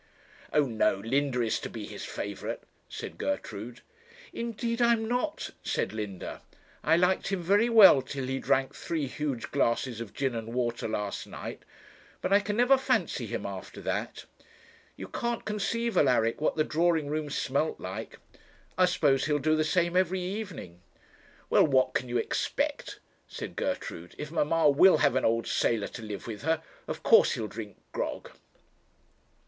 'Oh, no; Linda is to be his favourite,' said Gertrude. 'Indeed I am not,' said Linda. 'I liked him very well till he drank three huge glasses of gin and water last night, but I never can fancy him after that. You can't conceive, Alaric, what the drawing room smelt like. I suppose he'll do the same every evening.' 'Well, what can you expect?' said Gertrude; 'if mamma will have an old sailor to live with her, of course he'll drink grog.'